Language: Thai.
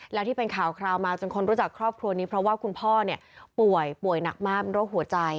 แล้วที่เป็นข่าวคราวมาจนคนรู้จักครอบครัวนี้เพราะว่าคุณพ่อเนี่ยป่วยป่วยหนักมากเป็นโรคหัวใจ